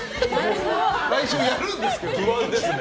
来週にはやるんですけどね。